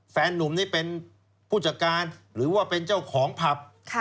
แฟนนุ่มนี่เป็นผู้จัดการหรือว่าเป็นเจ้าของผับ